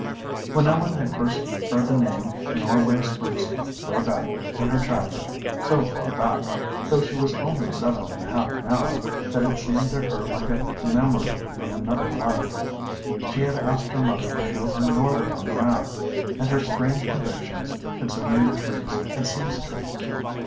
When Ellen had first heard the name Norway spruce, 'way back in her childhood so far back, though she was only seven and a half now, that it seemed to her like a memory from another life she had asked her mother to show her Norway on the map, and her strange convictions concerning the trees had seized her.